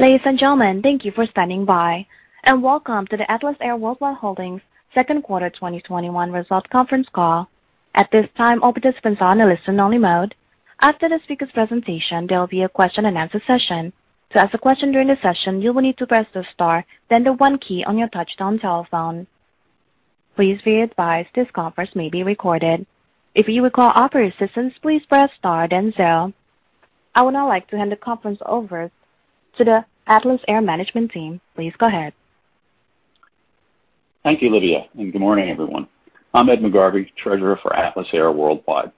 Ladies and gentlemen, thank you for standing by, and welcome to the Atlas Air Worldwide Holdings second quarter 2021 results conference call. At this time, all participants are in a listen-only mode. After the speaker's presentation, there will be a question-and-answer session. To ask a question during the session, you will need to press the star, then the one key on your touchtone telephone. Please be advised, this conference may be recorded. If you require operator assistance, please press star, then zero. I would now like to hand the conference over to the Atlas Air management team. Please go ahead. Thank you, Lydia, and good morning, everyone. I'm Ed McGarvey, Treasurer for Atlas Air Worldwide.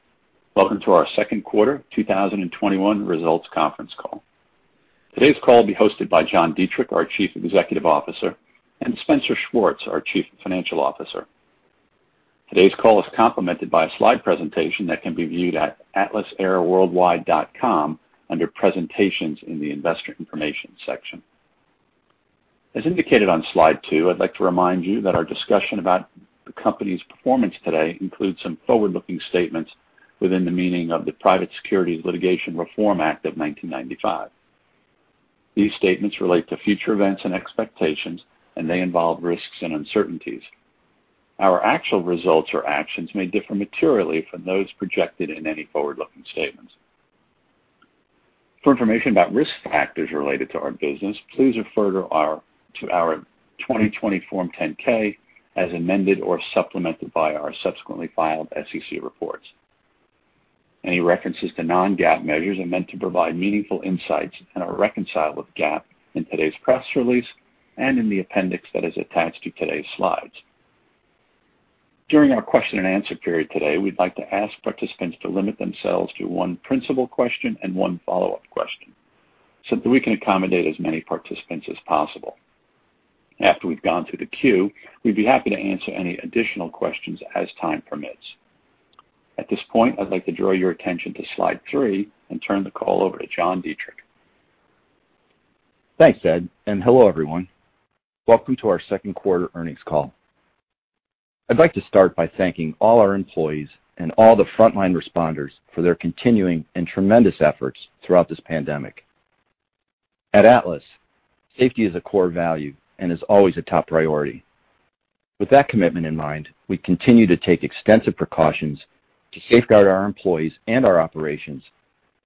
Welcome to our second quarter 2021 results conference call. Today's call will be hosted by John Dietrich, our Chief Executive Officer, and Spencer Schwartz, our Chief Financial Officer. Today's call is complemented by a slide presentation that can be viewed at atlasairworldwide.com under presentations in the investor information section. As indicated on slide two, I'd like to remind you that our discussion about the company's performance today includes some forward-looking statements within the meaning of the Private Securities Litigation Reform Act of 1995. These statements relate to future events and expectations, and they involve risks and uncertainties. Our actual results or actions may differ materially from those projected in any forward-looking statements. For information about risk factors related to our business, please refer to our 2020 Form 10-K as amended or supplemented by our subsequently filed SEC reports. Any references to non-GAAP measures are meant to provide meaningful insights and are reconciled with GAAP in today's press release and in the appendix that is attached to today's slides. During our question-and-answer period today, we'd like to ask participants to limit themselves to one principal question and one follow-up question so that we can accommodate as many participants as possible. After we've gone through the queue, we'd be happy to answer any additional questions as time permits. At this point, I'd like to draw your attention to slide three and turn the call over to John Dietrich. Thanks, Ed. Hello, everyone. Welcome to our second quarter earnings call. I'd like to start by thanking all our employees and all the frontline responders for their continuing and tremendous efforts throughout this pandemic. At Atlas, safety is a core value and is always a top priority. With that commitment in mind, we continue to take extensive precautions to safeguard our employees and our operations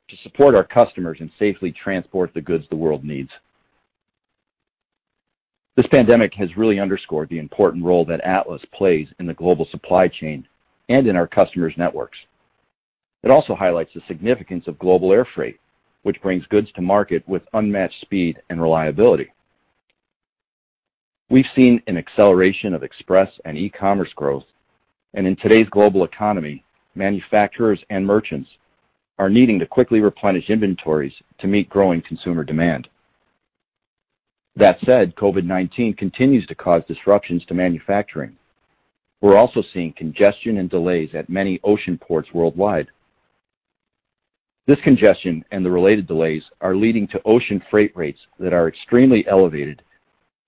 to support our customers and safely transport the goods the world needs. This pandemic has really underscored the important role that Atlas plays in the global supply chain and in our customers' networks. It also highlights the significance of global air freight, which brings goods to market with unmatched speed and reliability. We've seen an acceleration of express and e-commerce growth. In today's global economy, manufacturers and merchants are needing to quickly replenish inventories to meet growing consumer demand. That said, COVID-19 continues to cause disruptions to manufacturing. We're also seeing congestion and delays at many ocean ports worldwide. This congestion and the related delays are leading to ocean freight rates that are extremely elevated,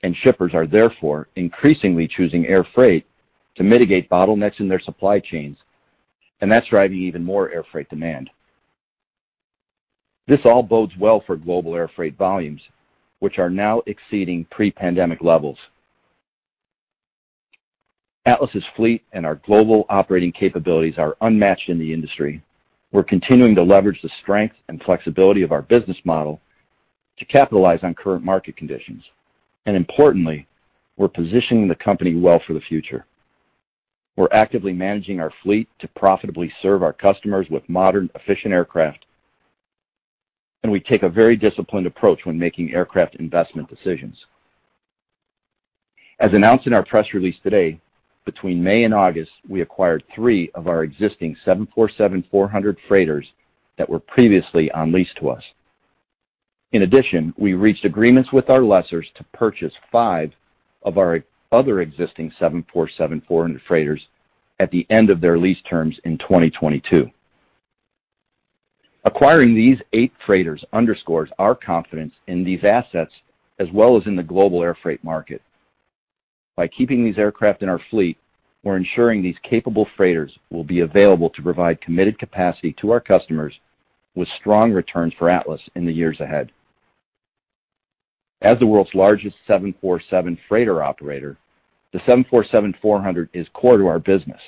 and shippers are therefore increasingly choosing air freight to mitigate bottlenecks in their supply chains, and that's driving even more air freight demand. This all bodes well for global air freight volumes, which are now exceeding pre-pandemic levels. Atlas' fleet and our global operating capabilities are unmatched in the industry. We're continuing to leverage the strength and flexibility of our business model to capitalize on current market conditions. Importantly, we're positioning the company well for the future. We're actively managing our fleet to profitably serve our customers with modern, efficient aircraft, and we take a very disciplined approach when making aircraft investment decisions. As announced in our press release today, between May and August, we acquired three of our existing 747-400 freighters that were previously on lease to us. We reached agreements with our lessors to purchase five of our other existing 747-400 freighters at the end of their lease terms in 2022. Acquiring these eight freighters underscores our confidence in these assets as well as in the global air freight market. By keeping these aircraft in our fleet, we're ensuring these capable freighters will be available to provide committed capacity to our customers with strong returns for Atlas in the years ahead. As the world's largest 747 freighter operator, the 747-400 is core to our business.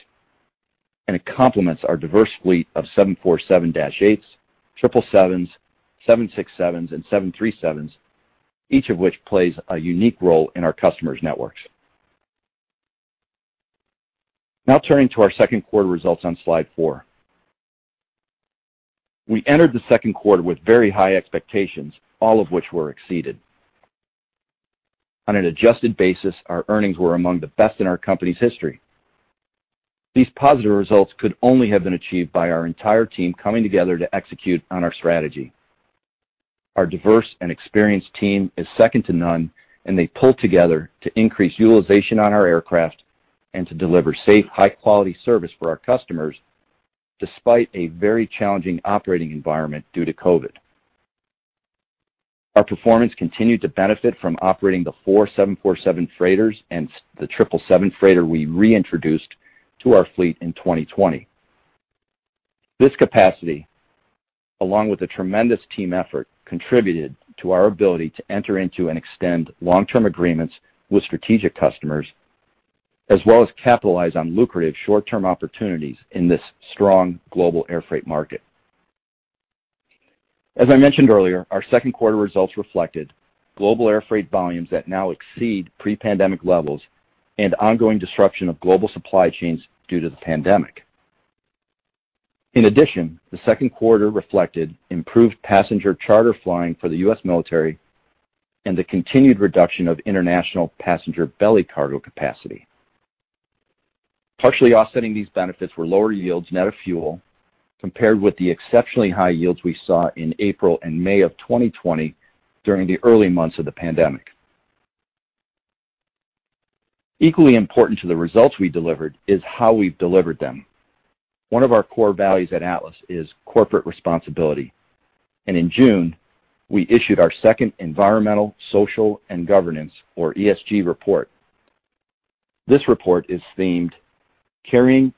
It complements our diverse fleet of 747-8s, 777s, 767s, and 737s, each of which plays a unique role in our customers' networks. Now turning to our second quarter results on slide four. We entered the second quarter with very high expectations, all of which were exceeded. On an adjusted basis, our earnings were among the best in our company's history. These positive results could only have been achieved by our entire team coming together to execute on our strategy. Our diverse and experienced team is second to none, and they pulled together to increase utilization on our aircraft and to deliver safe, high-quality service for our customers, despite a very challenging operating environment due to COVID. Our performance continued to benefit from operating the four 747 freighters and the 777 freighter we reintroduced to our fleet in 2020. This capacity, along with the tremendous team effort, contributed to our ability to enter into and extend long-term agreements with strategic customers, as well as capitalize on lucrative short-term opportunities in this strong global air freight market. As I mentioned earlier, our second quarter results reflected global air freight volumes that now exceed pre-pandemic levels and ongoing disruption of global supply chains due to the pandemic. In addition, the second quarter reflected improved passenger charter flying for the U.S. military and the continued reduction of international passenger belly cargo capacity. Partially offsetting these benefits were lower yields net of fuel compared with the exceptionally high yields we saw in April and May of 2020 during the early months of the pandemic. Equally important to the results we delivered is how we've delivered them. One of our core values at Atlas is corporate responsibility, and in June, we issued our second environmental, social, and governance, or ESG report. This report is themed Caring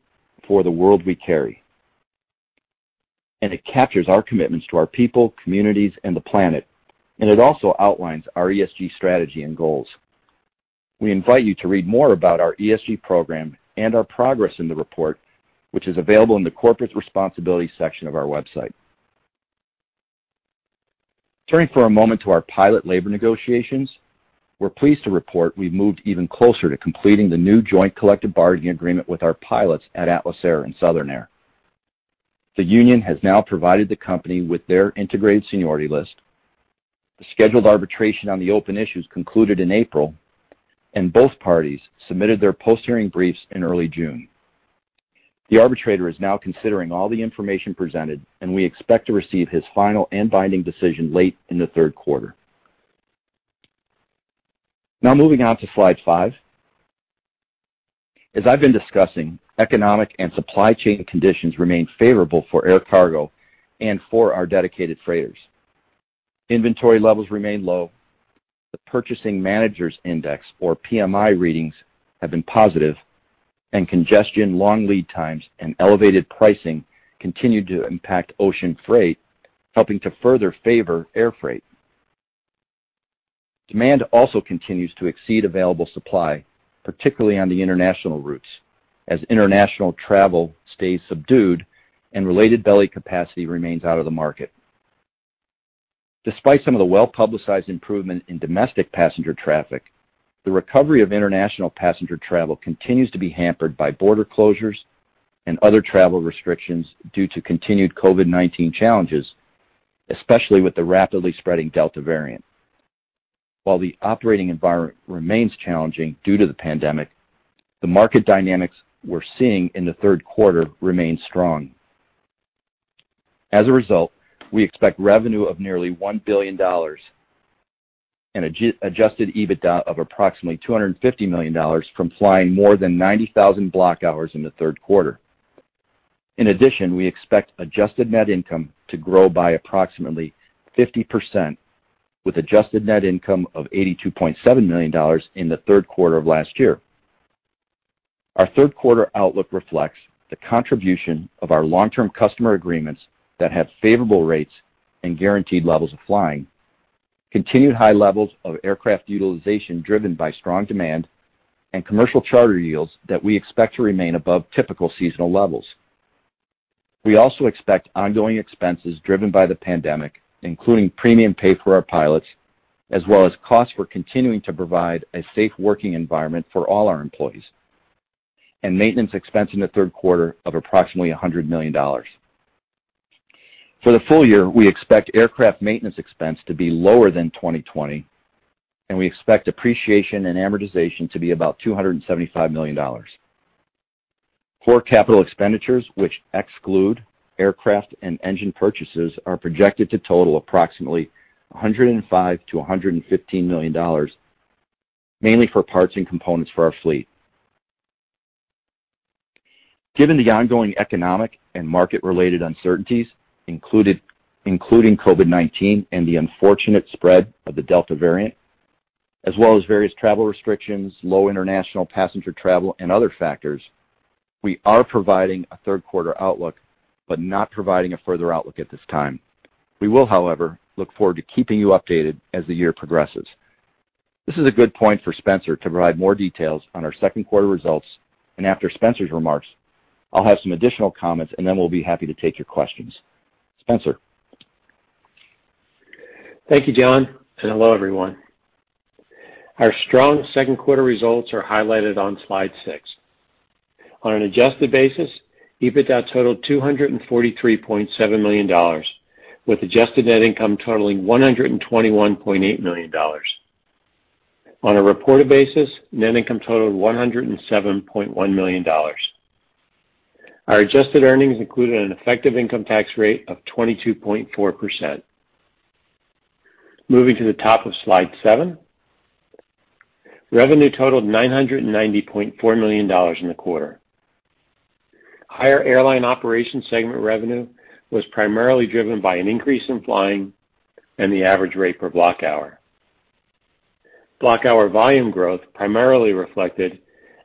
for the World We Carry. It captures our commitments to our people, communities, and the planet. It also outlines our ESG strategy and goals. We invite you to read more about our ESG program and our progress in the report, which is available in the Corporate Responsibility section of our website. Turning for a moment to our pilot labor negotiations, we're pleased to report we've moved even closer to completing the new joint collective bargaining agreement with our pilots at Atlas Air and Southern Air. The union has now provided the company with their integrated seniority list. The scheduled arbitration on the open issues concluded in April. Both parties submitted their post-hearing briefs in early June. The arbitrator is now considering all the information presented. We expect to receive his final and binding decision late in the third quarter. Now moving on to slide five. As I've been discussing, economic and supply chain conditions remain favorable for air cargo and for our dedicated freighters. Inventory levels remain low. The Purchasing Managers' Index, or PMI readings, have been positive, and congestion, long lead times, and elevated pricing continue to impact ocean freight, helping to further favor air freight. Demand also continues to exceed available supply, particularly on the international routes, as international travel stays subdued and related belly capacity remains out of the market. Despite some of the well-publicized improvement in domestic passenger traffic, the recovery of international passenger travel continues to be hampered by border closures and other travel restrictions due to continued COVID-19 challenges, especially with the rapidly spreading Delta variant. While the operating environment remains challenging due to the pandemic, the market dynamics we're seeing in the third quarter remain strong. As a result, we expect revenue of nearly $1 billion and Adjusted EBITDA of approximately $250 million from flying more than 90,000 block hours in the third quarter. In addition, we expect adjusted net income to grow by approximately 50%, with adjusted net income of $82.7 million in the third quarter of last year. Our third quarter outlook reflects the contribution of our long-term customer agreements that have favorable rates and guaranteed levels of flying, continued high levels of aircraft utilization driven by strong demand, and commercial charter yields that we expect to remain above typical seasonal levels. We also expect ongoing expenses driven by the pandemic, including premium pay for our pilots, as well as costs for continuing to provide a safe working environment for all our employees, and maintenance expense in the third quarter of approximately $100 million. For the full year, we expect aircraft maintenance expense to be lower than 2020. We expect depreciation and amortization to be about $275 million. Core capital expenditures, which exclude aircraft and engine purchases, are projected to total approximately $105 million-$115 million, mainly for parts and components for our fleet. Given the ongoing economic and market-related uncertainties, including COVID-19 and the unfortunate spread of the Delta variant, as well as various travel restrictions, low international passenger travel, and other factors, we are providing a third quarter outlook. But not providing a further outlook at this time. We will, however, look forward to keeping you updated as the year progresses. This is a good point for Spencer to provide more details on our second quarter results. After Spencer's remarks, I'll have some additional comments. Then we'll be happy to take your questions. Spencer? Thank you, John, and hello, everyone. Our strong second quarter results are highlighted on slide six. On an adjusted basis, EBITDA totaled $243.7 million with adjusted net income totaling $121.8 million. On a reported basis, net income totaled $107.1 million. Our adjusted earnings included an effective income tax rate of 22.4%. Moving to the top of slide seven, revenue totaled $990.4 million in the quarter. Higher airline operation segment revenue was primarily driven by an increase in flying and the average rate per block hour. Block hour volume growth primarily reflected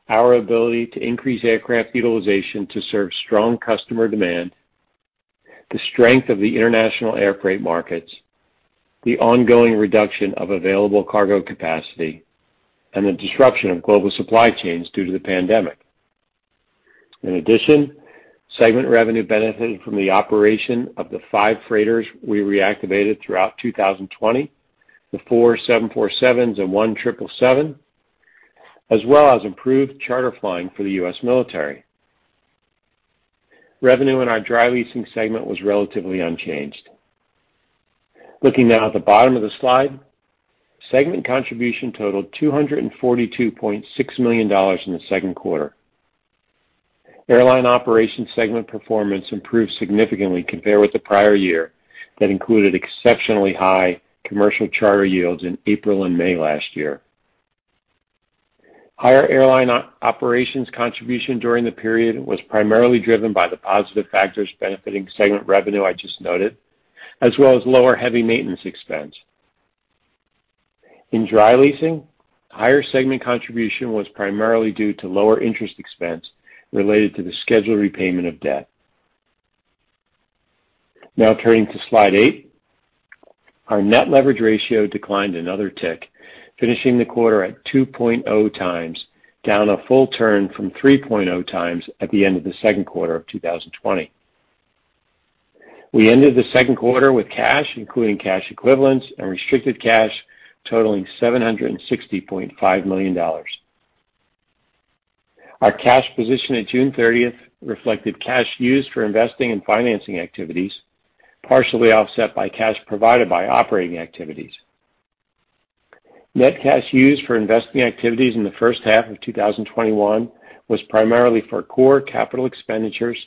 our ability to increase aircraft utilization to serve strong customer demand, the strength of the international air freight markets, the ongoing reduction of available cargo capacity, and the disruption of global supply chains due to the pandemic. In addition, segment revenue benefited from the operation of the five freighters we reactivated throughout 2020, the four 747s and one 777, as well as improved charter flying for the U.S. military. Revenue in our dry leasing segment was relatively unchanged. Looking now at the bottom of the slide, segment contribution totaled $242.6 million in the second quarter. Airline operations segment performance improved significantly compared with the prior year that included exceptionally high commercial charter yields in April and May last year. Higher airline operations contribution during the period was primarily driven by the positive factors benefiting segment revenue I just noted, as well as lower heavy maintenance expense. In dry leasing, higher segment contribution was primarily due to lower interest expense related to the scheduled repayment of debt. Now turning to slide eight. Our net leverage ratio declined another tick, finishing the quarter at 2.0x, down a full turn from 3.0x at the end of the second quarter of 2020. We ended the second quarter with cash, including cash equivalents and restricted cash, totaling $760.5 million. Our cash position at June 30th reflected cash used for investing and financing activities, partially offset by cash provided by operating activities. Net cash used for investing activities in the first half of 2021 was primarily for core capital expenditures,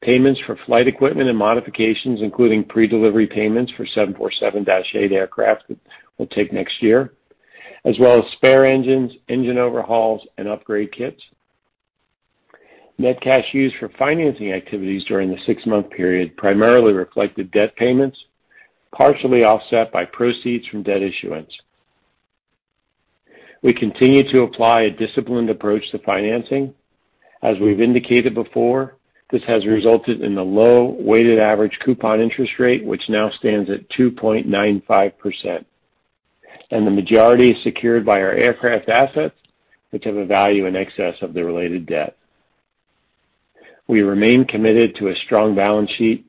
payments for flight equipment and modifications, including pre-delivery payments for 747-8 aircraft that we'll take next year, as well as spare engines, engine overhauls, and upgrade kits. Net cash used for financing activities during the six-month period primarily reflected debt payments, partially offset by proceeds from debt issuance. We continue to apply a disciplined approach to financing. As we've indicated before, this has resulted in a low weighted average coupon interest rate, which now stands at 2.95%, and the majority is secured by our aircraft assets, which have a value in excess of the related debt. We remain committed to a strong balance sheet,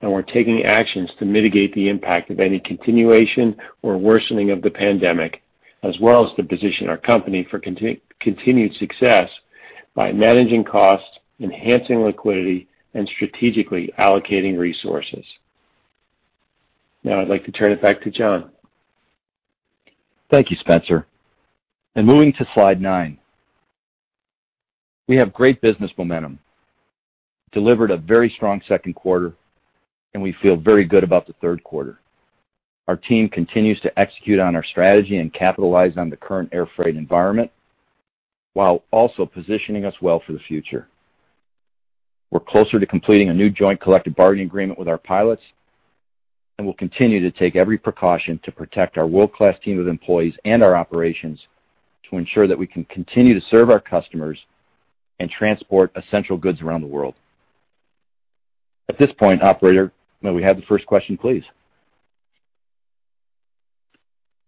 and we're taking actions to mitigate the impact of any continuation or worsening of the pandemic, as well as to position our company for continued success by managing costs, enhancing liquidity, and strategically allocating resources. Now, I'd like to turn it back to John. Thank you, Spencer. Moving to slide nine. We have great business momentum, delivered a very strong second quarter, and we feel very good about the third quarter. Our team continues to execute on our strategy and capitalize on the current air freight environment while also positioning us well for the future. We're closer to completing a new joint collective bargaining agreement with our pilots, and we'll continue to take every precaution to protect our world-class team of employees and our operations to ensure that we can continue to serve our customers and transport essential goods around the world. At this point, Operator, may we have the first question, please?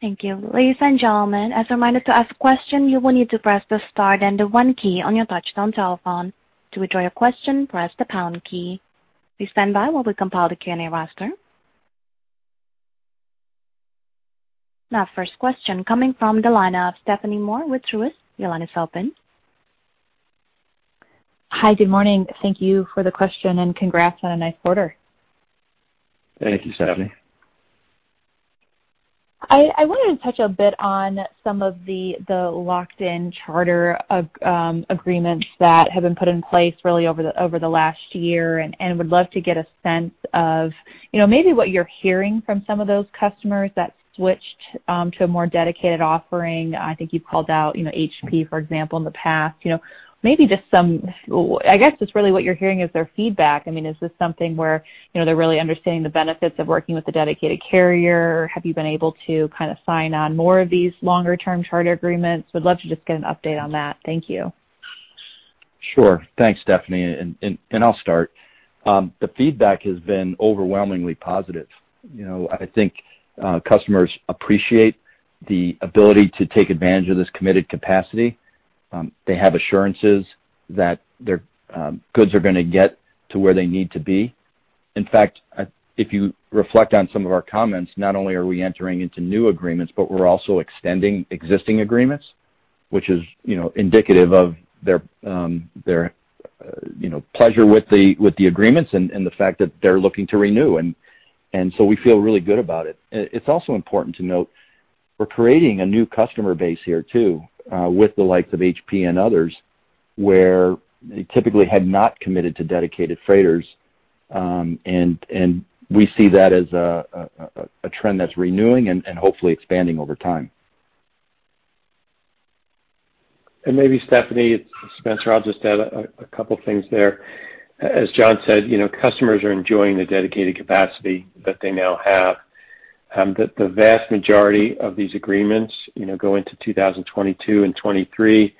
Thank you. Ladies and gentlemen, as a reminder to ask question, you will need to press the star then the one key on your touch-tone phone. To withdraw your question, press the pound key. Please stand by while we compile the Q&A roster. First question coming from the line of Stephanie Moore with Truist. Your line is open. Hi. Good morning. Thank you for the question, and congrats on a nice quarter. Thank you, Stephanie. I wanted to touch a bit on some of the locked-in charter agreements that have been put in place really over the last year and would love to get a sense of maybe what you're hearing from some of those customers that switched to a more dedicated offering. I think you called out HP, for example, in the past. I guess just really what you're hearing is their feedback. Is this something where they're really understanding the benefits of working with a dedicated carrier? Have you been able to sign on more of these longer-term charter agreements? Would love to just get an update on that. Thank you. Sure. Thanks, Stephanie. I'll start. The feedback has been overwhelmingly positive. I think customers appreciate the ability to take advantage of this committed capacity. They have assurances that their goods are going to get to where they need to be. In fact, if you reflect on some of our comments, not only are we entering into new agreements, but we're also extending existing agreements, which is indicative of their pleasure with the agreements and the fact that they're looking to renew. We feel really good about it. It's also important to note we're creating a new customer base here, too, with the likes of HP and others, where they typically had not committed to dedicated freighters. We see that as a trend that's renewing and hopefully expanding over time. Maybe Stephanie, it's Spencer. I'll just add a couple things there. As John said, customers are enjoying the dedicated capacity that they now have. The vast majority of these agreements go into 2022 and 2023.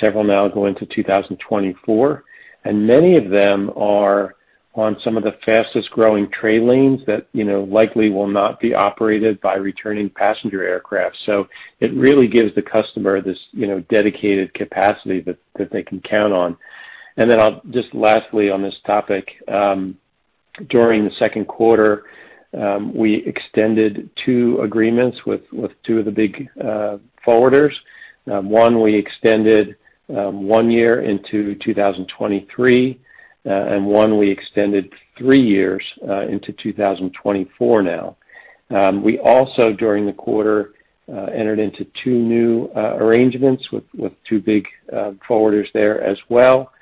Several now go into 2024, and many of them are on some of the fastest-growing trade lanes that likely will not be operated by returning passenger aircraft. It really gives the customer this dedicated capacity that they can count on. Lastly, on this topic, during the second quarter, we extended two agreements with two of the big forwarders. One, we extended one year into 2023, and one we extended three years into 2024 now. We also, during the quarter, entered into two new arrangements with two big forwarders there as well.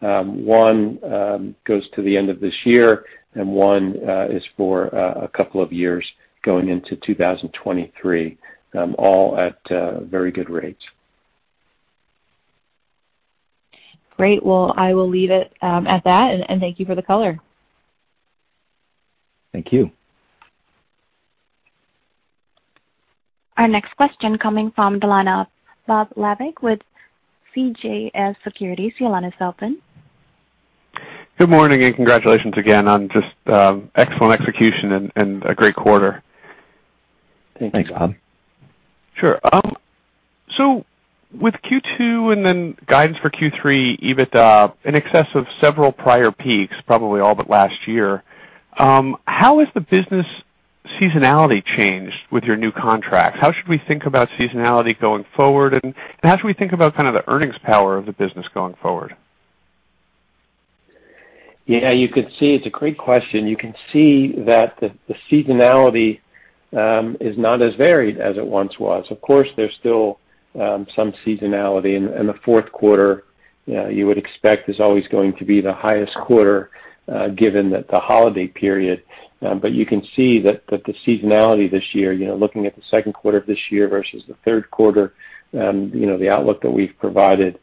One goes to the end of this year, and one is for a couple of years going into 2023, all at very good rates. Great. Well, I will leave it at that, and thank you for the color. Thank you. Our next question coming from the line of Bob Labick with CJS Securities. Your line is open. Good morning, and congratulations again on just excellent execution and a great quarter. Thanks. Thanks, Bob. Sure. With Q2 and then guidance for Q3, EBITDA in excess of several prior peaks, probably all but last year, how has the business seasonality changed with your new contracts? How should we think about seasonality going forward, and how should we think about kind of the earnings power of the business going forward? You know, you could see, it's a great question. You can see that the seasonality is not as varied as it once was. Of course, there's still some seasonality. In the fourth quarter, you would expect is always going to be the highest quarter, given that the holiday period. You can see that the seasonality this year, looking at the second quarter of this year versus the third quarter, the outlook that we've provided,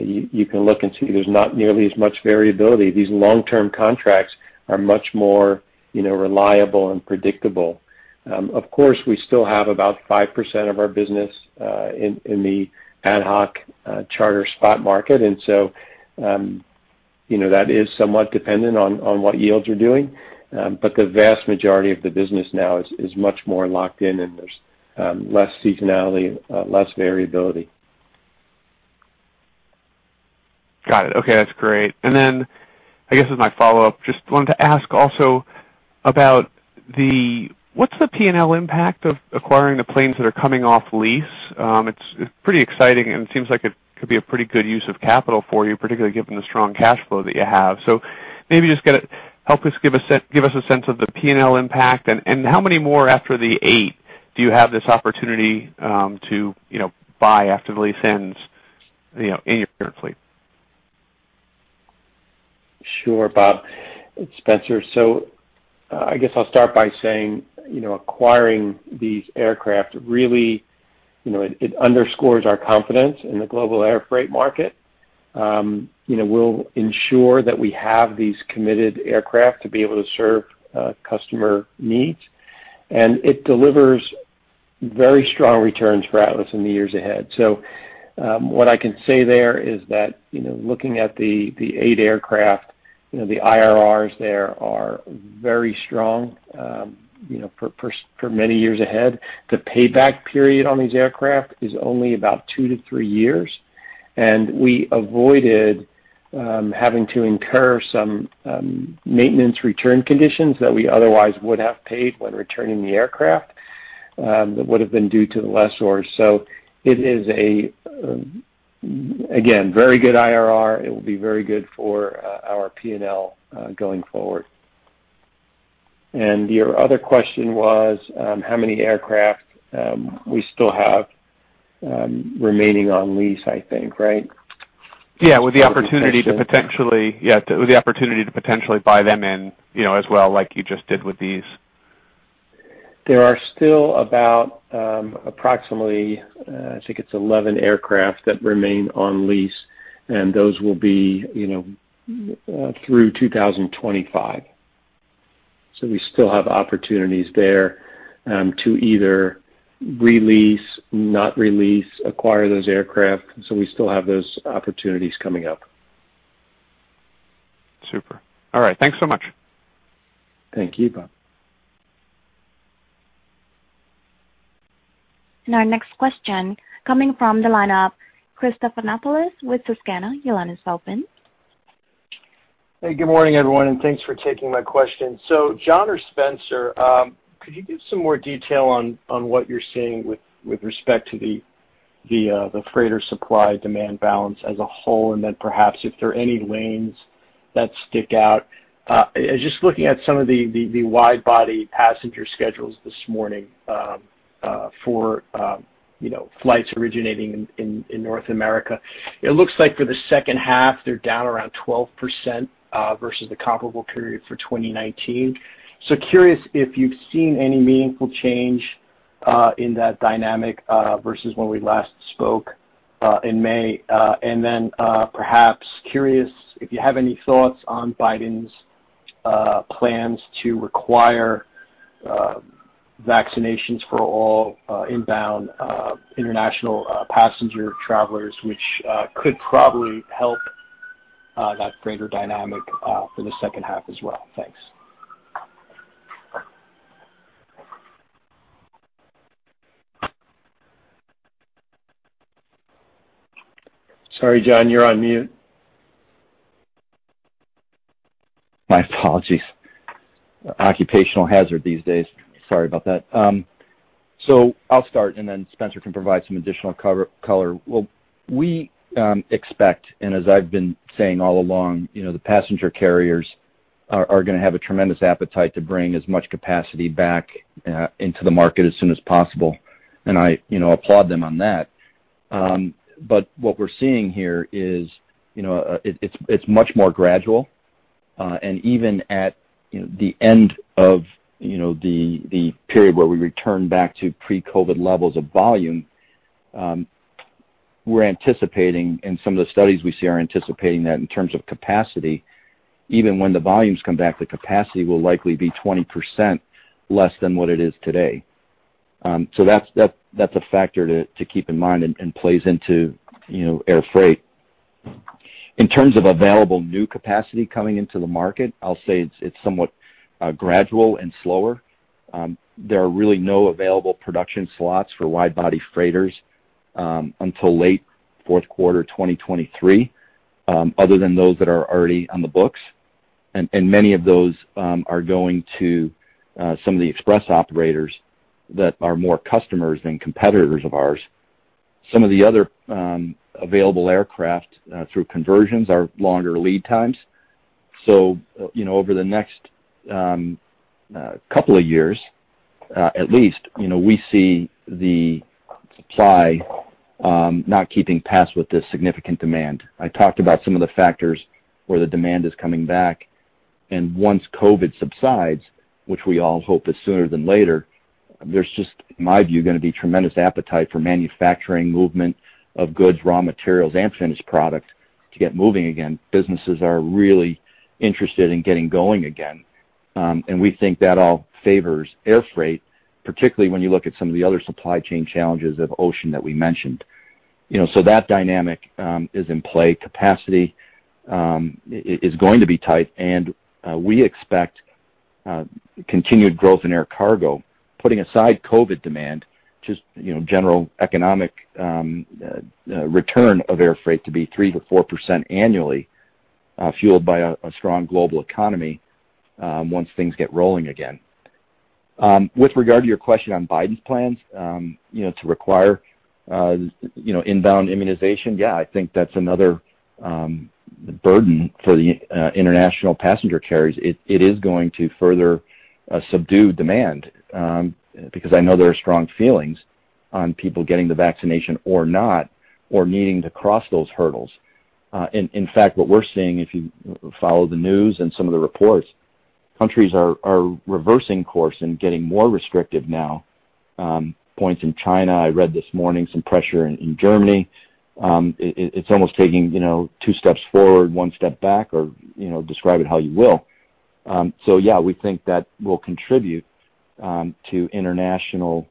you can look and see there's not nearly as much variability. These long-term contracts are much more reliable and predictable. Of course, we still have about 5% of our business in the ad hoc charter spot market, that is somewhat dependent on what yields you're doing. The vast majority of the business now is much more locked in, and there's less seasonality, less variability. Got it. Okay, that's great. Then I guess as my follow-up, just wanted to ask also about what's the P&L impact of acquiring the planes that are coming off lease? It's pretty exciting, and it seems like it could be a pretty good use of capital for you, particularly given the strong cash flow that you have. Maybe just help us give us a sense of the P&L impact and how many more after the eight do you have this opportunity to buy after the lease ends in your current fleet? Sure, Bob. It's Spencer. I guess I'll start by saying, acquiring these aircraft really underscores our confidence in the global air freight market. We'll ensure that we have these committed aircraft to be able to serve customer needs, and it delivers very strong returns for Atlas in the years ahead. What I can say there is that looking at the eight aircraft, the IRRs there are very strong for many years ahead. The payback period on these aircraft is only about two to three years, and we avoided having to incur some maintenance return conditions that we otherwise would have paid when returning the aircraft that would've been due to the lessor. It is, again, very good IRR. It will be very good for our P&L going forward. Your other question was how many aircraft we still have remaining on lease, I think, right? Yeah. With the opportunity to potentially... Yeah. With the opportunity to buy them in as well, like you just did with these. There are still about approximately, I think it's 11 aircraft that remain on lease. Those will be through 2025. We still have opportunities there to either re-lease, not release, acquire those aircraft. We still have those opportunities coming up. Super. All right. Thanks so much. Thank you, Bob. Our next question coming from the line of Christopher Stathoulopoulos with Susquehanna. Your line is open. Hey, good morning, everyone, and thanks for taking my question. John or Spencer, could you give some more detail on what you're seeing with respect to the freighter supply-demand balance as a whole, and then perhaps if there are any lanes that stick out? Just looking at some of the wide body passenger schedules this morning for flights originating in North America, it looks like for the second half, they're down around 12% versus the comparable period for 2019. Curious if you've seen any meaningful change in that dynamic versus when we last spoke in May. Perhaps curious if you have any thoughts on Biden's plans to require vaccinations for all inbound international passenger travelers, which could probably help that freighter dynamic for the second half as well. Thanks. Sorry, John, you're on mute. My apologies. Occupational hazard these days. Sorry about that. I'll start, and then Spencer can provide some additional color. We expect, and as I've been saying all along, the passenger carriers are going to have a tremendous appetite to bring as much capacity back into the market as soon as possible. I applaud them on that. What we're seeing here is it's much more gradual. Even at the end of the period where we return back to pre-COVID levels of volume, we're anticipating, and some of the studies we see are anticipating that in terms of capacity, even when the volumes come back, the capacity will likely be 20% less than what it is today. That's a factor to keep in mind and plays into air freight. In terms of available new capacity coming into the market, I'll say it's somewhat gradual and slower. There are really no available production slots for wide-body freighters until late fourth quarter 2023 other than those that are already on the books, and many of those are going to some of the express operators that are more customers than competitors of ours. Some of the other available aircraft through conversions are longer lead times. Over the next couple of years at least, we see the supply not keeping pace with this significant demand. I talked about some of the factors where the demand is coming back, and once COVID subsides, which we all hope is sooner than later, there's just, in my view, going to be tremendous appetite for manufacturing movement of goods, raw materials, and finished product to get moving again. Businesses are really interested in getting going again. We think that all favors air freight, particularly when you look at some of the other supply chain challenges of ocean that we mentioned. That dynamic is in play. Capacity is going to be tight, and we expect continued growth in air cargo, putting aside COVID demand, just general economic return of air freight to be 3%-4% annually, fueled by a strong global economy once things get rolling again. With regard to your question on Biden's plans to require inbound immunization, yeah, I think that's another burden for the international passenger carriers. It is going to further subdue demand because I know there are strong feelings on people getting the vaccination or not, or needing to cross those hurdles. In fact, what we're seeing, if you follow the news and some of the reports, countries are reversing course and getting more restrictive now. Points in China, I read this morning some pressure in Germany. It's almost taking two steps forward, one step back, or describe it how you will. Yeah, we think that will contribute to international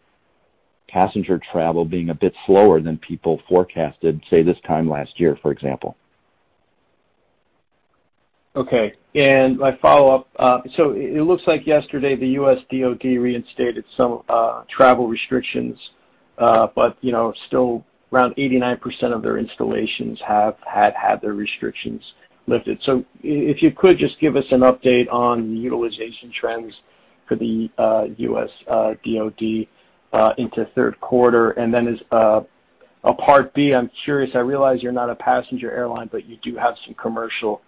passenger travel being a bit slower than people forecasted, say, this time last year, for example. Okay. My follow-up, it looks like yesterday the U.S. DoD reinstated some travel restrictions. Still around 89% of their installations have had their restrictions lifted. If you could, just give us an update on the utilization trends for the U.S. DoD into third quarter. As a part B, I'm curious, I realize you're not a passenger airline, but you do have some commercial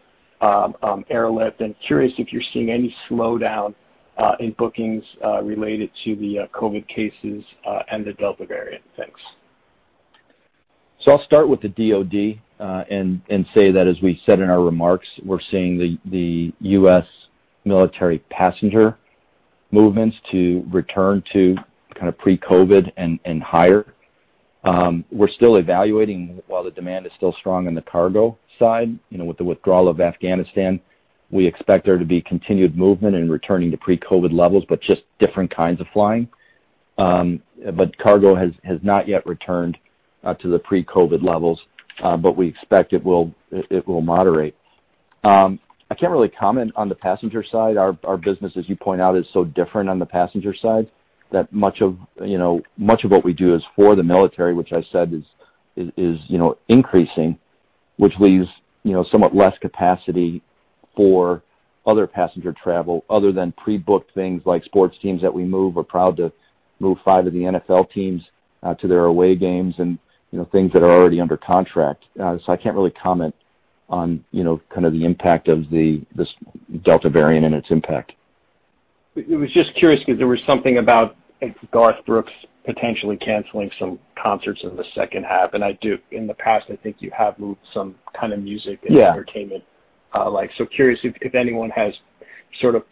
airlift, and curious if you're seeing any slowdown in bookings related to the COVID cases and the Delta variant. Thanks. I'll start with the DoD and say that as we said in our remarks, we're seeing the U.S. military passenger movements to return to kind of pre-COVID and higher. We're still evaluating while the demand is still strong on the cargo side. With the withdrawal of Afghanistan, we expect there to be continued movement in returning to pre-COVID levels, but just different kinds of flying. Cargo has not yet returned to the pre-COVID levels, but we expect it will moderate. I can't really comment on the passenger side. Our business, as you point out, is so different on the passenger side that much of what we do is for the military, which I said is increasing, which leaves somewhat less capacity for other passenger travel other than pre-booked things like sports teams that we move. We're proud to move five of the NFL teams to their away games and things that are already under contract. I can't really comment on kind of the impact of this Delta variant and its impact. It was just curious because there was something about Garth Brooks potentially canceling some concerts in the second half, and in the past, I think you have moved some kind of music- Yeah. and entertainment. Like, so, curious if anyone has sort of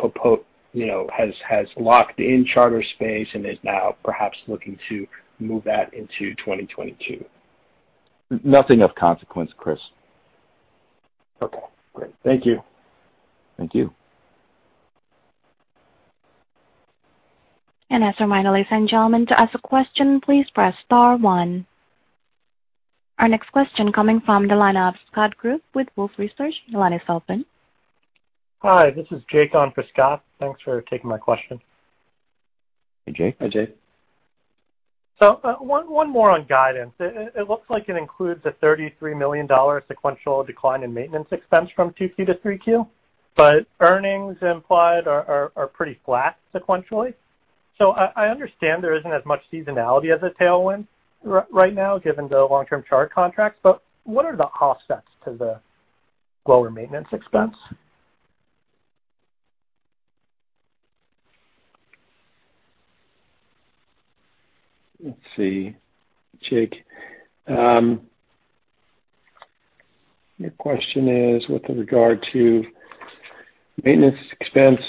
has locked in charter space and is now perhaps looking to move that into 2022. Nothing of consequence, Chris. Okay, great. Thank you. Thank you. As a reminder, ladies and gentlemen, to ask a question, please press star one. Our next question coming from the line of Scott Group with Wolfe Research. Your line is open. Hi, this is Jake on for Scott. Thanks for taking my question. Hey, Jake. Hi, Jake. One more on guidance. It looks like it includes a $33 million sequential decline in maintenance expense from Q2 to Q3, but earnings implied are pretty flat sequentially. I understand there isn't as much seasonality as a tailwind right now given the long-term charter contracts, but what are the offsets to the lower maintenance expense? Let's see, Jake. Your question is with regard to maintenance expense.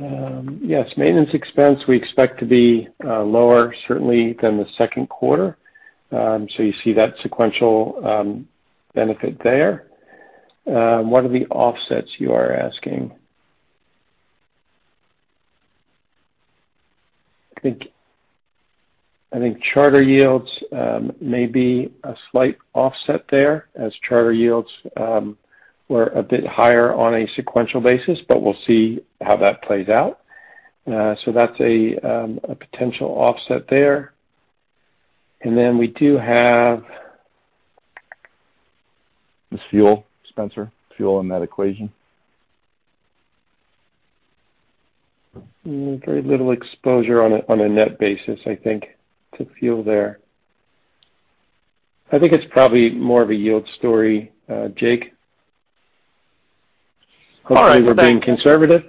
Yes, maintenance expense we expect to be lower certainly than the second quarter. You see that sequential benefit there. What are the offsets you are asking? I think charter yields may be a slight offset there as charter yields were a bit higher on a sequential basis, we'll see how that plays out. That's a potential offset there. We do have... There's fuel, Spencer. Fuel in that equation. Very little exposure on a net basis, I think, to fuel there. I think it's probably more of a yield story, Jake. All right. Hopefully we're being conservative.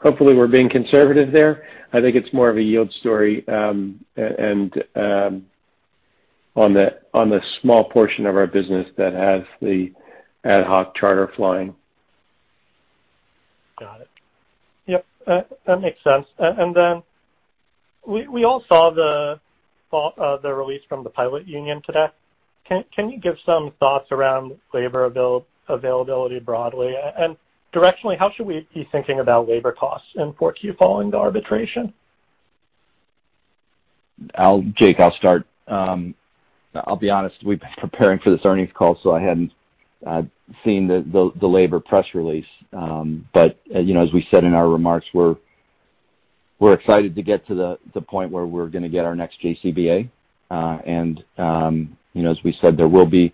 Hopefully we're being conservative there. I think it's more of a yield story, and on the small portion of our business that has the ad hoc charter flying. Got it. Yep, that makes sense. We all saw the release from the pilot union today. Can you give some thoughts around labor availability broadly? Directionally, how should we be thinking about labor costs in 4Q following the arbitration? Jake, I'll start. I'll be honest, we've been preparing for this earnings call. I hadn't seen the labor press release. As we said in our remarks, we're excited to get to the point where we're going to get our next JCBA. As we said, there will be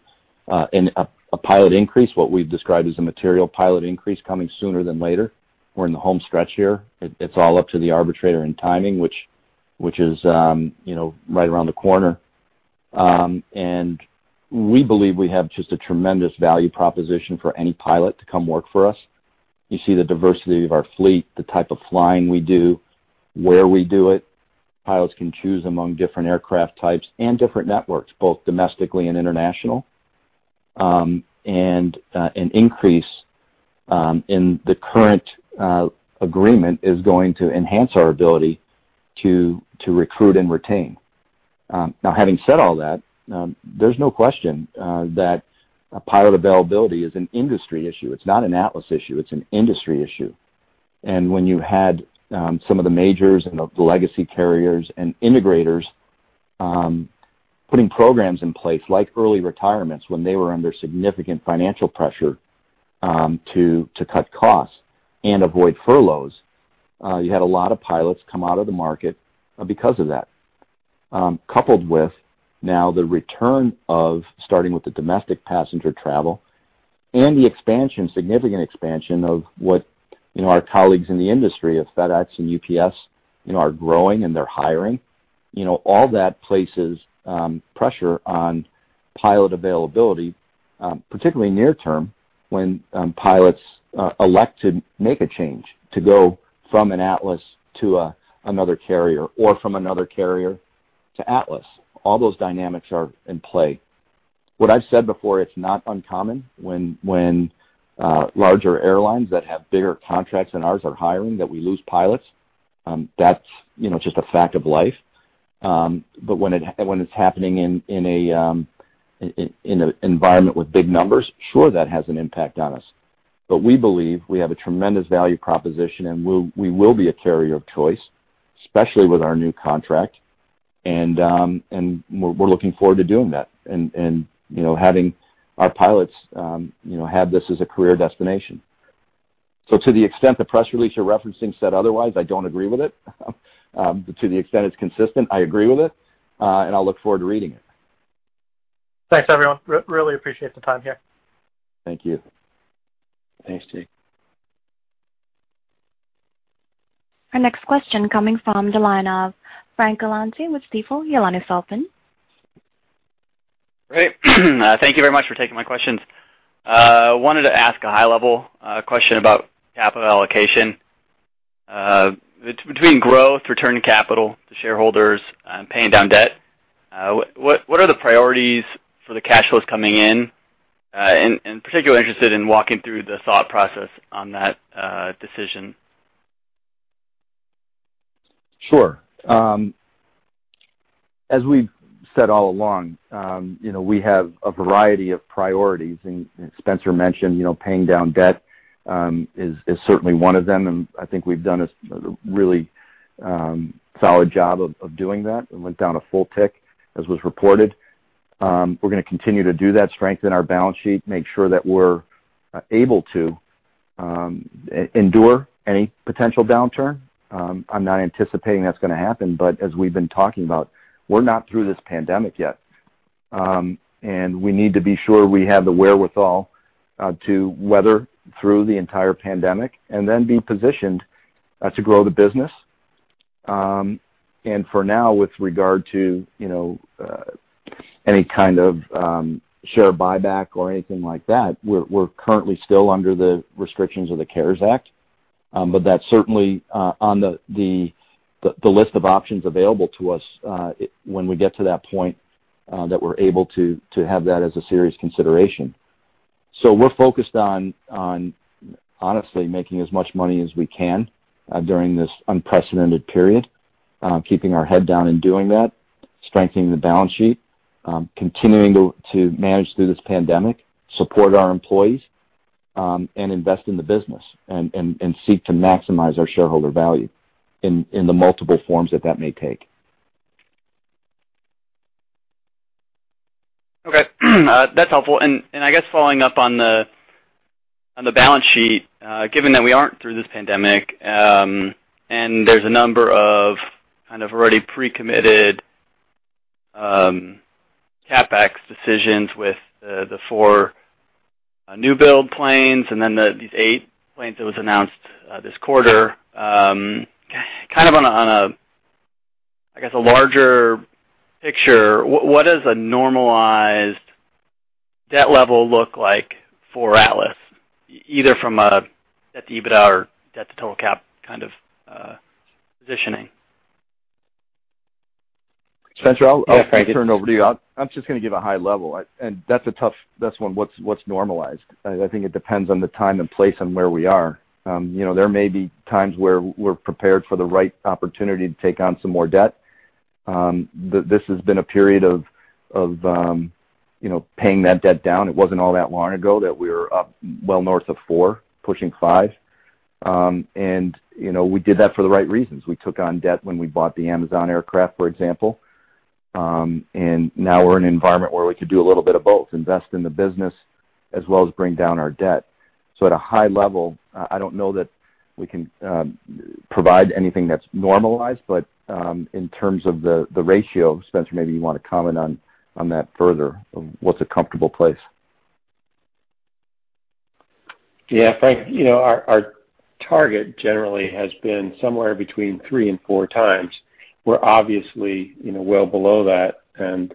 a pilot increase, what we've described as a material pilot increase coming sooner than later. We're in the home stretch here. It's all up to the arbitrator and timing, which is right around the corner. We believe we have just a tremendous value proposition for any pilot to come work for us. You see the diversity of our fleet, the type of flying we do, where we do it. Pilots can choose among different aircraft types and different networks, both domestically and international. An increase in the current agreement is going to enhance our ability to recruit and retain. Now, having said all that, there's no question that pilot availability is an industry issue. It's not an Atlas issue. It's an industry issue. When you had some of the majors and the legacy carriers and integrators putting programs in place like early retirements when they were under significant financial pressure to cut costs and avoid furloughs, you had a lot of pilots come out of the market because of that. Coupled with now the return of starting with the domestic passenger travel and the expansion, significant expansion of what our colleagues in the industry of FedEx and UPS are growing and they're hiring. All that places pressure on pilot availability, particularly near term when pilots elect to make a change to go from an Atlas to another carrier or from another carrier to Atlas. All those dynamics are in play. What I've said before, it's not uncommon when larger airlines that have bigger contracts than ours are hiring, that we lose pilots. That's just a fact of life. When it's happening in an environment with big numbers, sure, that has an impact on us. We believe we have a tremendous value proposition, and we will be a carrier of choice, especially with our new contract. We're looking forward to doing that and having our pilots have this as a career destination. To the extent the press release you're referencing said otherwise, I don't agree with it. To the extent it's consistent, I agree with it, and I'll look forward to reading it. Thanks, everyone. Really appreciate the time here. Thank you. Thanks, Jake. Our next question coming from the line of Frank Galanti with Stifel. Your line is open. Great. Thank you very much for taking my questions. I wanted to ask a high-level question about capital allocation. Between growth, return to capital, to shareholders, and paying down debt, what are the priorities for the cash flows coming in? I am particularly interested in walking through the thought process on that decision. Sure. As we've said all along, we have a variety of priorities. Spencer mentioned paying down debt is certainly one of them, and I think we've done a really solid job of doing that. It went down a full tick, as was reported. We're going to continue to do that, strengthen our balance sheet, make sure that we're able to endure any potential downturn. I'm not anticipating that's going to happen, but as we've been talking about, we're not through this pandemic yet. We need to be sure we have the wherewithal to weather through the entire pandemic, and then be positioned to grow the business. For now, with regard to any kind of share buyback or anything like that, we're currently still under the restrictions of the CARES Act. That's certainly on the list of options available to us, when we get to that point that we're able to have that as a serious consideration. We're focused on, honestly, making as much money as we can during this unprecedented period. Keeping our head down and doing that, strengthening the balance sheet, continuing to manage through this pandemic, support our employees, and invest in the business, and seek to maximize our shareholder value in the multiple forms that that may take. Okay. That's helpful. I guess following up on the balance sheet, given that we aren't through this pandemic, and there's a number of kind of already pre-committed CapEx decisions with the four new-build planes and then these eight planes that was announced this quarter. Kind of on a, I guess, a larger picture, what does a normalized debt level look like for Atlas, either from a debt to EBITDA or debt to total cap kind of positioning? Spencer, I'll- Yeah. turn it over to you. I'm just going to give a high level. That's one, what's normalized? I think it depends on the time and place and where we are. There may be times where we're prepared for the right opportunity to take on some more debt. This has been a period of paying that debt down. It wasn't all that long ago that we were up well north of four, pushing five. We did that for the right reasons. We took on debt when we bought the Amazon aircraft, for example. Now we're in an environment where we could do a little bit of both, invest in the business as well as bring down our debt. At a high level, I don't know that we can provide anything that's normalized, but in terms of the ratio, Spencer, maybe you want to comment on that further, of what's a comfortable place? Frank, our target generally has been somewhere between three and four times. We're obviously well below that, and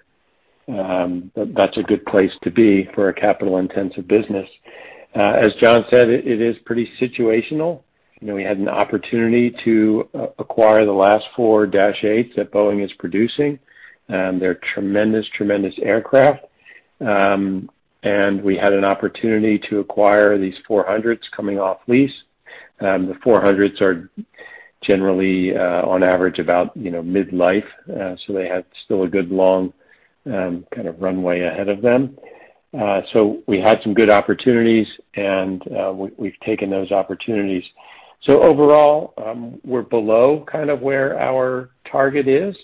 that's a good place to be for a capital-intensive business. As John said, it is pretty situational. We had an opportunity to acquire the last four 747-8s that Boeing is producing. They're tremendous, tremendous aircraft. We had an opportunity to acquire these 747-400s coming off lease. The 747-400s are generally, on average about mid-life, they have still a good long kind of runway ahead of them. We had some good opportunities, and we've taken those opportunities. Overall, we're below kind of where our target is.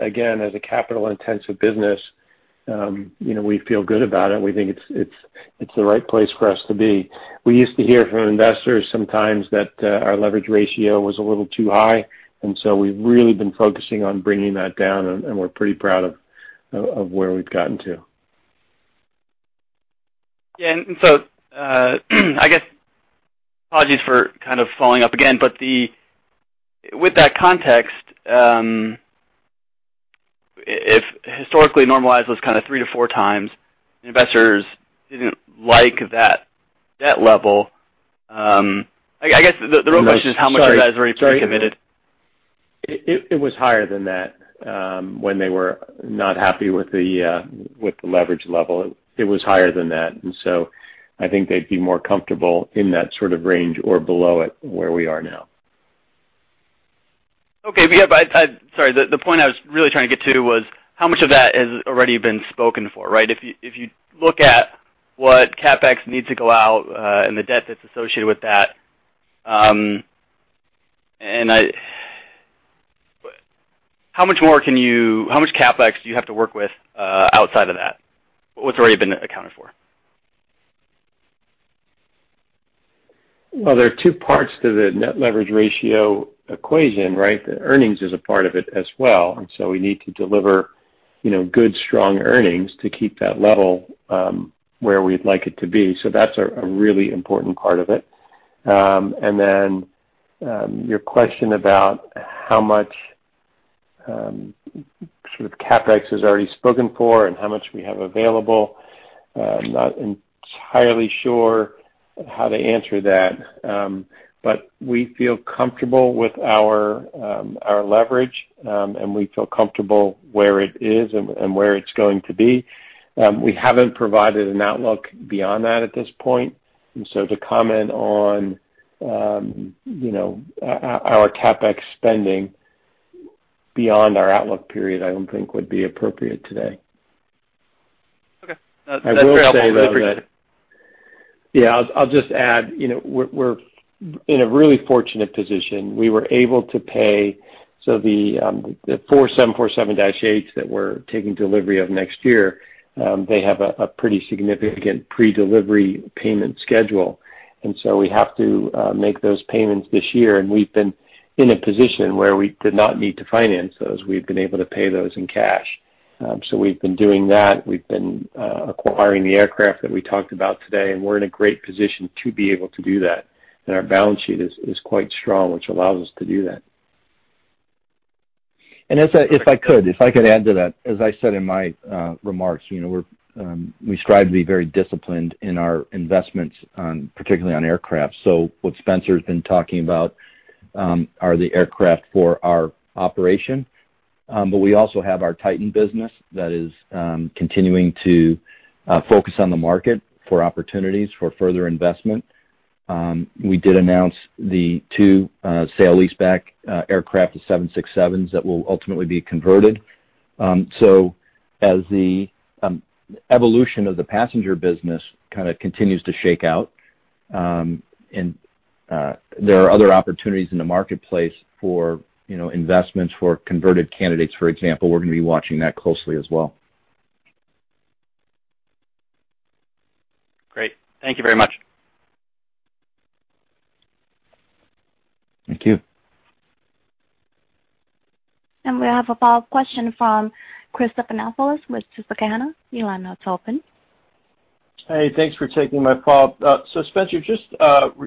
Again, as a capital-intensive business, we feel good about it. We think it's the right place for us to be. We used to hear from investors sometimes that our leverage ratio was a little too high. We've really been focusing on bringing that down. We're pretty proud of where we've gotten to. Yeah. I guess, apologies for kind of following up again, but with that context, if historically normalized was kind of three to four times, investors didn't like that debt level. I guess the real question- Sorry. is how much of that is already pre-committed? It was higher than that when they were not happy with the leverage level. It was higher than that. I think they'd be more comfortable in that sort of range or below it, where we are now. Okay. Yeah, sorry. The point I was really trying to get to was how much of that has already been spoken for, right? If you look at what CapEx needs to go out and the debt that's associated with that, how much CapEx do you have to work with outside of that? What's already been accounted for? Well, there are two parts to the net leverage ratio equation, right? The earnings is a part of it as well. We need to deliver good, strong earnings to keep that level where we'd like it to be. That's a really important part of it. Your question about how much CapEx is already spoken for and how much we have available. I'm not entirely sure how to answer that. We feel comfortable with our leverage, and we feel comfortable where it is and where it's going to be. We haven't provided an outlook beyond that at this point, to comment on our CapEx spending beyond our outlook period, I don't think would be appropriate today. Okay. That's very helpful. I will say, though, that- Thank you. Yeah, I'll just add, we're in a really fortunate position. We were able to pay, so the four 747-8s that we're taking delivery of next year, they have a pretty significant pre-delivery payment schedule. We have to make those payments this year, and we've been in a position where we did not need to finance those. We've been able to pay those in cash. We've been doing that. We've been acquiring the aircraft that we talked about today, and we're in a great position to be able to do that. Our balance sheet is quite strong, which allows us to do that. If I could add to that, as I said in my remarks, we strive to be very disciplined in our investments, particularly on aircraft. What Spencer's been talking about are the aircraft for our operation. We also have our Titan business that is continuing to focus on the market for opportunities for further investment. We did announce the two sale-leaseback aircraft, the 767s, that will ultimately be converted. As the evolution of the passenger business kind of continues to shake out, and there are other opportunities in the marketplace for investments for converted candidates, for example, we're going to be watching that closely as well. Great. Thank you very much. Thank you. We have a follow-up question from Christopher Stathoulopoulos with Susquehanna. Your line is now open. Hey, thanks for taking my call. Spencer, just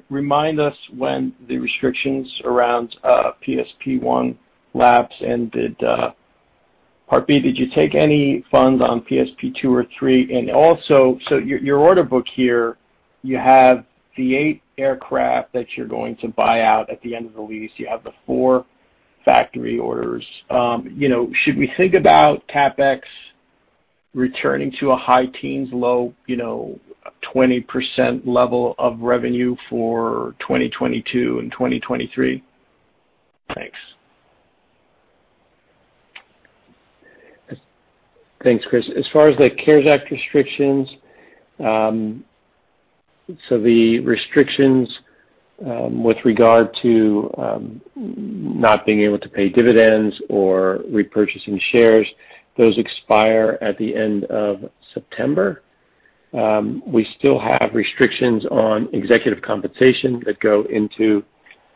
remind us when the restrictions around PSP 1 lapse, did you take any funds on PSP 2 or 3? Your order book here, you have the 8 aircraft that you're going to buy out at the end of the lease. You have the four factory orders. Should we think about CapEx returning to a high teens-low 20% level of revenue for 2022 and 2023? Thanks. Thanks, Chris. As far as the CARES Act restrictions, so the restrictions with regard to not being able to pay dividends or repurchasing shares, those expire at the end of September. We still have restrictions on executive compensation that go into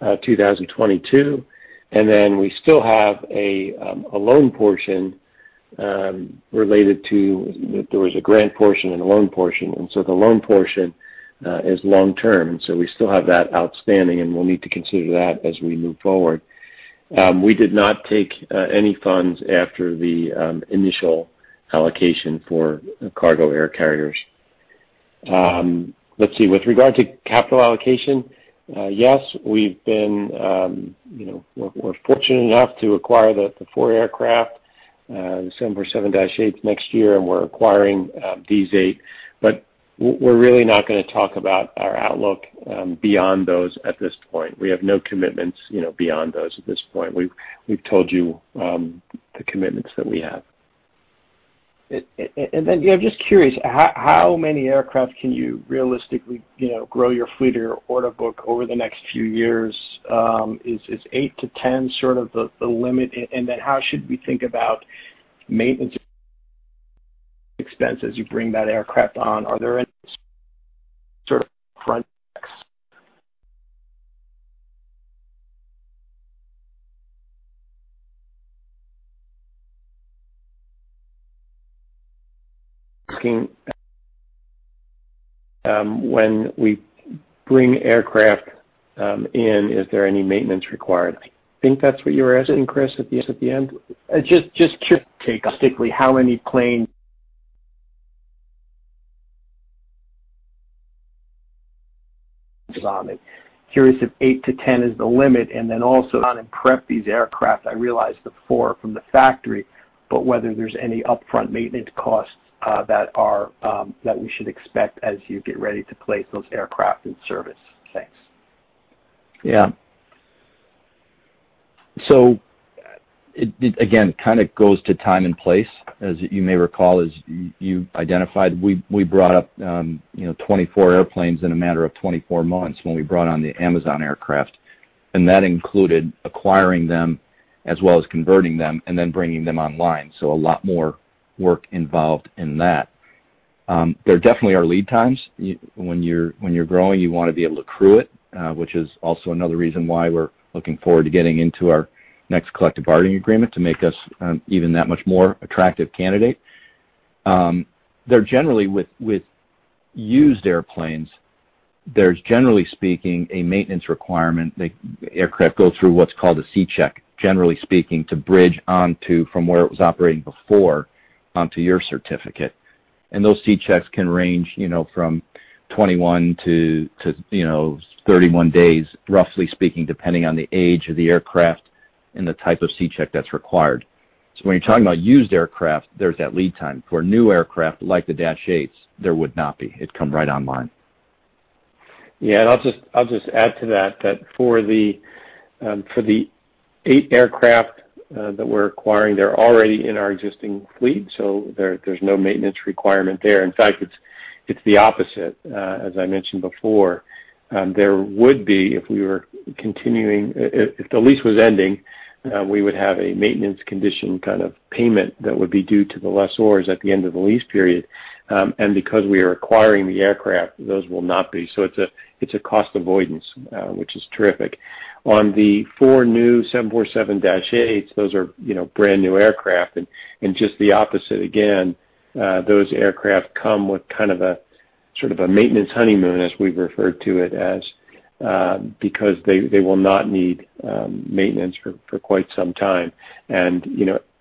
2022, and then we still have a loan portion, there was a grant portion and a loan portion, and so the loan portion is long-term, and so we still have that outstanding, and we'll need to consider that as we move forward. We did not take any funds after the initial allocation for cargo air carriers. Let's see. With regard to capital allocation, yes, we're fortunate enough to acquire the four aircraft, the 747-8s next year, and we're acquiring these eight. We're really not going to talk about our outlook beyond those at this point. We have no commitments beyond those at this point. We've told you the commitments that we have. I'm just curious, how many aircraft can you realistically grow your fleet or your order book over the next few years? Is 8-10 sort of the limit? How should we think about maintenance expense as you bring that aircraft on? Are there any sort of front. When we bring aircraft in, is there any maintenance required? I think that's what you were asking, Chris, at the end? Just curious, realistically, how many planes on it? Curious if 8-10 is the limit, and then also on and prep these aircraft? I realize the four from the factory, but whether there's any upfront maintenance costs that we should expect as you get ready to place those aircraft in service? Thanks. Yeah. It again, kind of goes to time and place. As you may recall, as you identified, we brought up 24 airplanes in a matter of 24 months when we brought on the Amazon aircraft. That included acquiring them as well as converting them and then bringing them online. A lot more work involved in that. There definitely are lead times. When you're growing, you want to be able to crew it, which is also another reason why we're looking forward to getting into our next collective bargaining agreement to make us even that much more attractive candidate. There generally with used airplanes, there's generally speaking, a maintenance requirement. The aircraft go through what's called a C check, generally speaking, to bridge on to from where it was operating before onto your certificate. Those C checks can range from 21-31 days, roughly speaking, depending on the age of the aircraft and the type of C check that's required. When you're talking about used aircraft, there's that lead time. For new aircraft like the 747-8s, there would not be. It'd come right online. Yeah. I'll just add to that for the eight aircraft that we're acquiring, they're already in our existing fleet, so there's no maintenance requirement there. In fact, it's the opposite. As I mentioned before, there would be, if we were continuing, if the lease was ending, we would have a maintenance condition kind of payment that would be due to the lessors at the end of the lease period. Because we are acquiring the aircraft, those will not be. It's a cost avoidance, which is terrific. On the four new 747-8s, those are brand-new aircraft and just the opposite again, those aircraft come with a sort of a maintenance honeymoon, as we've referred to it as, because they will not need maintenance for quite some time, and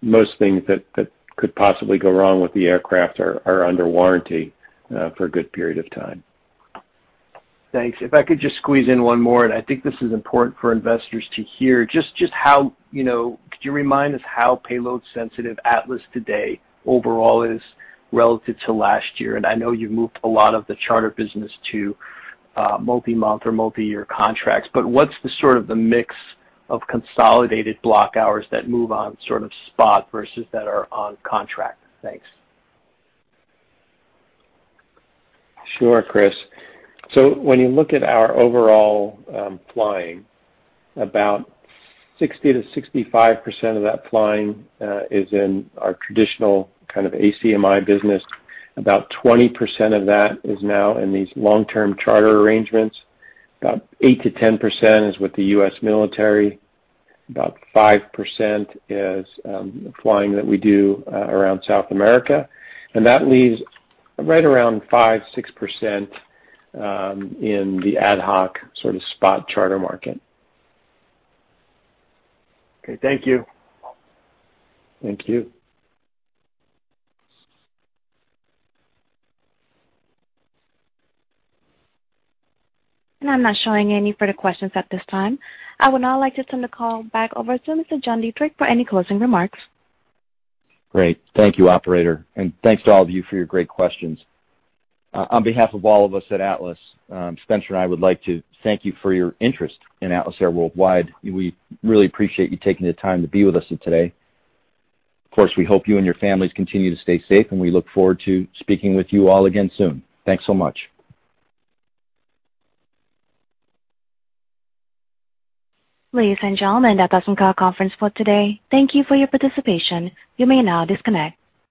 most things that could possibly go wrong with the aircraft are under warranty for a good period of time. Thanks. If I could just squeeze in one more, I think this is important for investors to hear. Could you remind us how payload sensitive Atlas today overall is relative to last year? I know you moved a lot of the charter business to multi-month or multi-year contracts, what's the sort of the mix of consolidated block hours that move on sort of spot versus that are on contract? Thanks. Sure, Chris. When you look at our overall flying, about 60%-65% of that flying is in our traditional kind of ACMI business. About 20% of that is now in these long-term charter arrangements. About 8%-10% is with the U.S. military. About 5% is flying that we do around South America. That leaves right around 5%, 6% in the ad hoc sort of spot charter market. Okay. Thank you. Thank you. I'm not showing any further questions at this time. I would now like to turn the call back over to Mr. John Dietrich for any closing remarks. Great. Thank you, Operator, and thanks to all of you for your great questions. On behalf of all of us at Atlas, Spencer and I would like to thank you for your interest in Atlas Air Worldwide. We really appreciate you taking the time to be with us today. Of course, we hope you and your families continue to stay safe, and we look forward to speaking with you all again soon. Thanks so much. Ladies and gentlemen, that does end our conference for today. Thank you for your participation. You may now disconnect.